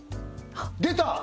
出た！